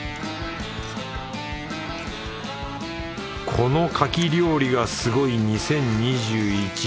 「この牡蠣料理がすごい２０２１」